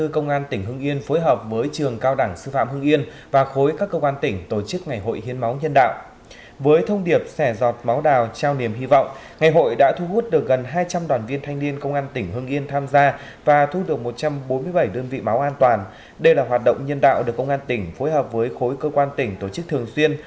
công an tỉnh phối hợp với khối cơ quan tỉnh tổ chức thường xuyên